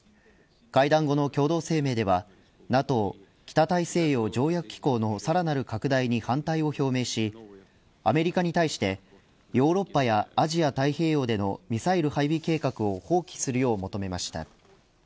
会談後の共同声明ではＮＡＴＯ北大西洋条約機構のさらなる拡大に反対を表明しアメリカに対してヨーロッパやアジア太平洋でのミサイル配備計画を放棄するよう求めました。